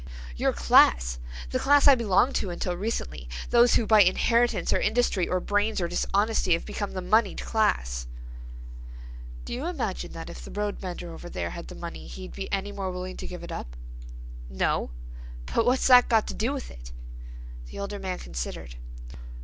"Your class; the class I belonged to until recently; those who by inheritance or industry or brains or dishonesty have become the moneyed class." "Do you imagine that if that road mender over there had the money he'd be any more willing to give it up?" "No, but what's that got to do with it?" The older man considered.